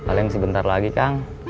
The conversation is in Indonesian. paling sebentar lagi kang